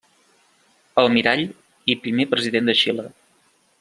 Almirall i primer President de Xile.